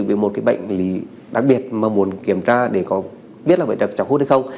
bệnh lý đặc biệt mà muốn kiểm tra để có biết là bệnh được chọc hút hay không